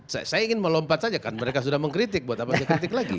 saya ingin melompat saja kan mereka sudah mengkritik buat apa saya kritik lagi